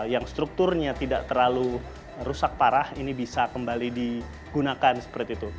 yang strukturnya tidak terlalu rusak parah ini bisa kembali digunakan seperti itu